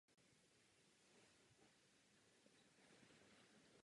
Jsou však například v Německu.